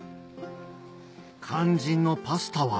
肝心のパスタは？